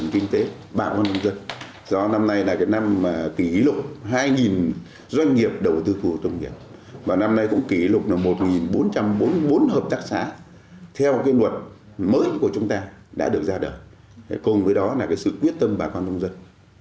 các xã theo nguồn mới của chúng ta đã được ra đời cùng với đó là sự quyết tâm bà con nông dân